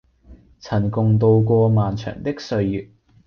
曾共渡過漫長的歲月